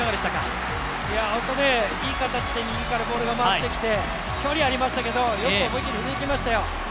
いい形で右からボールが回ってきて、距離ありましたけどよく踏み切りましたよ。